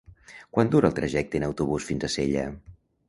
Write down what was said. Quant dura el trajecte en autobús fins a Sella?